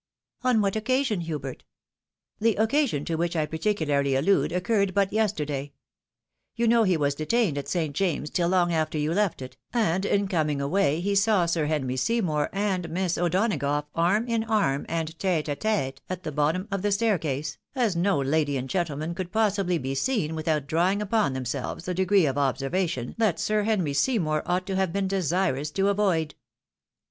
" On what occasion, Hubert ?"" The occasion to which I particularly allude occurred but yesterday. You know he was detained at St. James's till long after you left it, and iu coming away he saw Sir Henry Seymour and Miss O'Donagough arm iu arm and tete a tete at the bottom of the staircase, as no lady and gentleman could possibly be seen without drawing upon themselves a degree of observation that Sir Henry Seymour ought to have been desirous to avoid.''